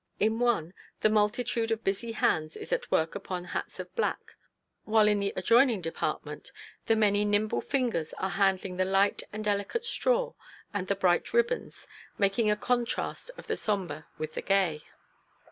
In one, the multitude of busy hands is at work upon hats of black, while in the adjoining department, the many nimble fingers are handling the light and delicate straw and the bright ribbons, making a contrast of the sombre with the gay.